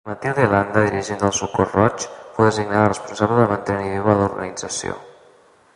Matilde Landa, dirigent del Socors Roig, fou designada responsable de mantenir viva l'organització.